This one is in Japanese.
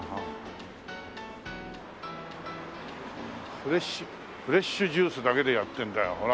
フレッシュフレッシュジュースだけでやってるんだよほら。